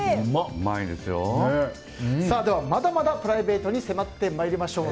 では、まだまだプライベートに迫ってまいりましょう。